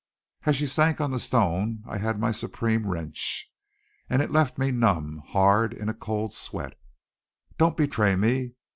As she sank on the stone I had my supreme wrench, and it left me numb, hard, in a cold sweat. "Don't betray me!